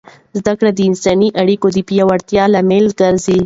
زده کړه د انساني اړیکو د پیاوړتیا لامل ګرځي.